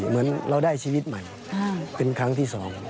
เหมือนเราได้ชีวิตใหม่เป็นครั้งที่สอง